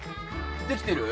できてる？